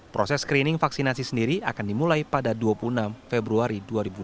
proses screening vaksinasi sendiri akan dimulai pada dua puluh enam februari dua ribu dua puluh